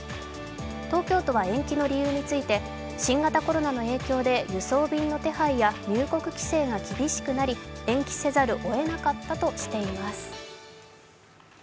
東京都は延期の理由について、新型コロナの影響で輸送便の手配や入国規制が厳しくなり延期せざるを得なかったとしています。